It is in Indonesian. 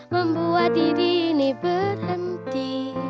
membuat diri ini berhenti